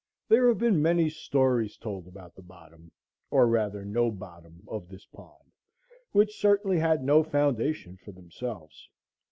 There have been many stories told about the bottom, or rather no bottom, of this pond, which certainly had no foundation for themselves.